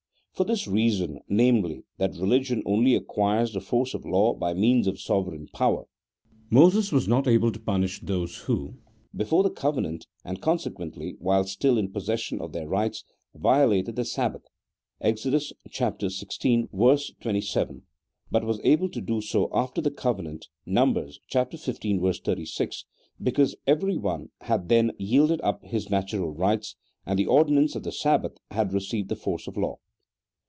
For this reason (namely, that religion only acquires the force of law by means of the sovereign power) Moses was not able to punish those who, before the covenant, and consequently while still in possession of their rights, violated the Sabbath (Exod. xvi. 27), but was able to do so after the covenant (Numb. xv. 36), because every one had then yielded up his natural rights, and the ordi nance of the Sabbath had received the force of law.